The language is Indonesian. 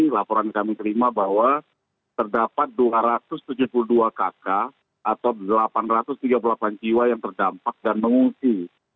laporan kami terima bahwa terdapat dua ratus tujuh puluh dua kakak atau delapan ratus tiga puluh delapan jiwa yang terdampak dan mengungsi